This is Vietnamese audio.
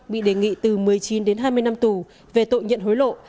bị đề nghị từ một mươi chín đến hai mươi năm tù về tội nhận hối lộ